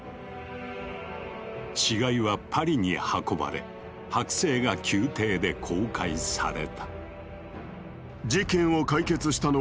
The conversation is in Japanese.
死骸はパリに運ばれ剥製が宮廷で公開された。